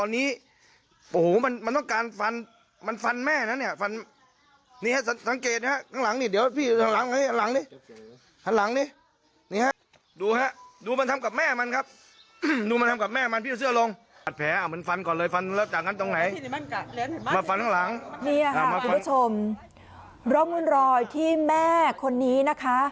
นี่ค่ะคุณผู้ชมร่องรอยที่แม่คนนี้นะคะ